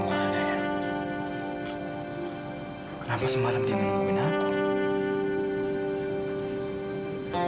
kenapa semalam dia nungguin aku